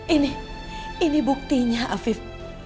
ini ini buktinya afif